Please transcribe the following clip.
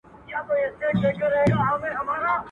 پر اوښتي تر نیوي وه زیات کلونه.